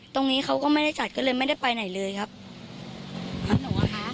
ตรงนี้เขาก็ไม่ได้จัดก็เลยไม่ได้ไปไหนเลยครับพักหนูอ่ะคะ